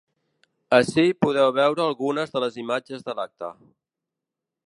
Ací podeu veure algunes de les imatges de l’acte.